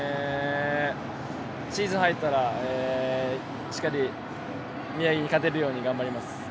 シーズン入ったらしっかり宮城に勝てるように頑張ります。